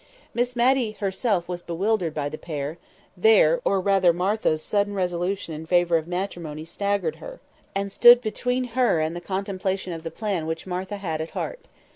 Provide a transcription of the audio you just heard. Miss Matty herself was bewildered by the pair; their, or rather Martha's sudden resolution in favour of matrimony staggered her, and stood between her and the contemplation of the plan which Martha had at heart.